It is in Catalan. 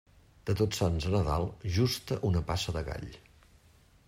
De Tots Sants a Nadal, justa una passa de gall.